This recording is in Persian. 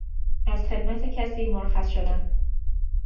از خدمت کسی شرخص شدن